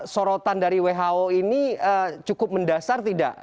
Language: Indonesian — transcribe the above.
sorotan dari who ini cukup mendasar tidak